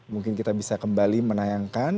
mungkin kita bisa kembali menayangkan